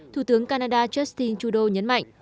thủ tướng canada justin trudeau nhấn mạnh